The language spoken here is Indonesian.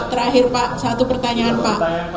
terakhir pak satu pertanyaan pak